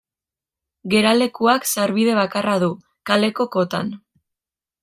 Geralekuak sarbide bakarra du, kaleko kotan.